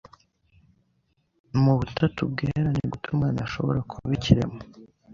mubutatu bwera nigute Umwana ashobora kuba ikiremwa